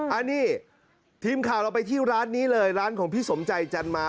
อันนี้ทีมข่าวเราไปที่ร้านนี้เลยร้านของพี่สมใจจันมา